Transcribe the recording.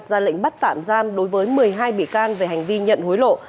ra lệnh bắt tạm giam đối với một mươi hai bị can về hành vi nhận hối lộ